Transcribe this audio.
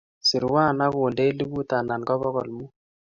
Serwo agonda elipu anan ko bogol mut